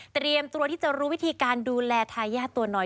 เตรียมตัวที่จะรู้วิธีการดูแลทายาทตัวน้อย